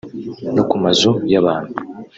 no ku mazu y’abantu